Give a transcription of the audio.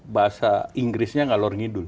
bahasa inggrisnya nggak lorngidul